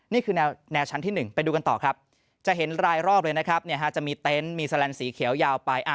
นี่คือแนวชั้นที่๑ไปดูกันต่อครับจะเห็นรายรอบเลยนะครับจะมีเต็นต์มีแลนสีเขียวยาวไป